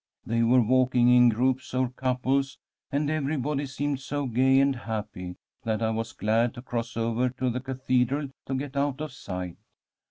They were walking in groups or couples, and everybody seemed so gay and happy that I was glad to cross over to the cathedral to get out of sight.